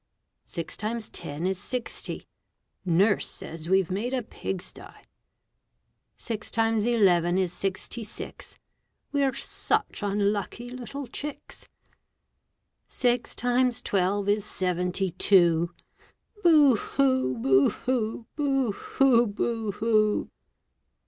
Six times ten is sixty. Nurse says we've made a pigsty. Six times eleven is sixty six, We're such unlucky little chicks. Six times twelve is seventy two. Boo hoo! boo hoo! boo hoo! boo hoo!